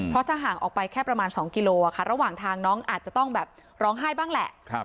เพราะถ้าห่างออกไปแค่ประมาณ๒กิโลระหว่างทางน้องอาจจะต้องแบบร้องไห้บ้างแหละ